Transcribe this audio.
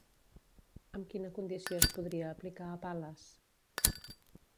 Amb quina condició es podria aplicar a Pal·les?